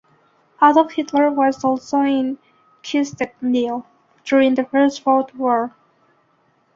Adolf Hitler was also in Kyustendil during the First World War.